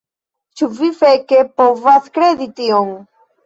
Ĉu vi feke povas kredi tion??